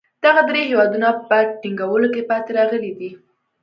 دغه درې هېوادونه په ټینګولو کې پاتې راغلي دي.